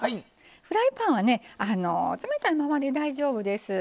フライパンは冷たいままで大丈夫です。